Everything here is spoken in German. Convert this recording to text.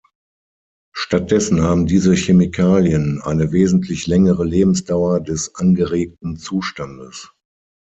Stattdessen haben diese Chemikalien eine wesentlich längere Lebensdauer des angeregten Zustandes.